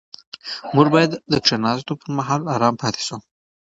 موږ باید د کښېناستو پر مهال ارام پاتې شو.